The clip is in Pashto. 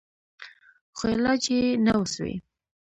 خو علاج يې نه و سوى.